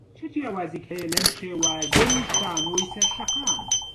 چ جیاوازییەک هەیە لەم شێوازەی شانۆی سەر شەقام؟